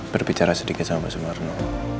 berbicara sedikit sama pak sumarna